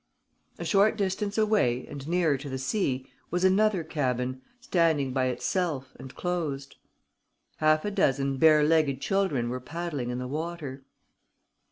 A short distance away and nearer to the sea was another cabin, standing by itself and closed. Half a dozen bare legged children were paddling in the water.